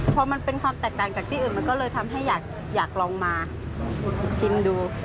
พอมันเป็นความแตกต่างจากที่อื่นมันก็เลยทำให้อยากลองมาชิมดู